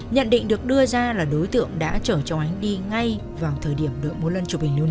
nhận định được đưa ra là đối tượng đã chở cháu ánh đi ngay vào thời điểm đợi múa lân chụp hình lưu niệm